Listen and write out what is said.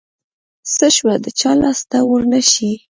څه شوه د چا لاس ته ورنشي.